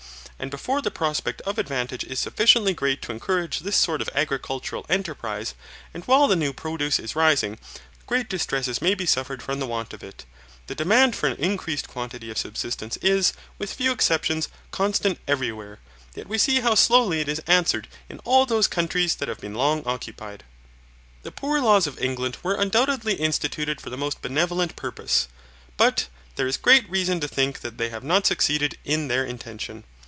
And before the prospect of advantage is sufficiently great to encourage this sort of agricultural enterprise, and while the new produce is rising, great distresses may be suffered from the want of it. The demand for an increased quantity of subsistence is, with few exceptions, constant everywhere, yet we see how slowly it is answered in all those countries that have been long occupied. The poor laws of England were undoubtedly instituted for the most benevolent purpose, but there is great reason to think that they have not succeeded in their intention.